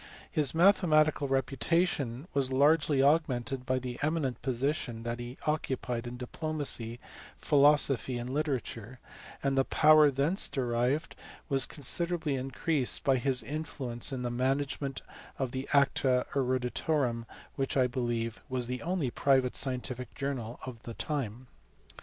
His mathematical reputation was largely aug mented by the eminent position that he occupied in diplomacy, philosophy, and literature; and the power thence derived was considerably increased by his influence in the management of the A eta Eruditorum which I believe was the only private scientific journal of the time.